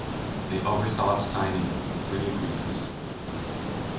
They oversaw the signing of three agreements.